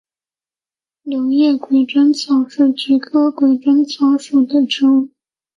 柳叶鬼针草是菊科鬼针草属的植物。